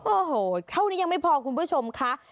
โอ้โหเท่านี้ยังไม่พอคุณผู้ชมค่ะ